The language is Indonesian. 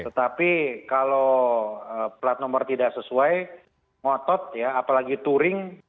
tetapi kalau plat nomor tidak sesuai ngotot ya apalagi touring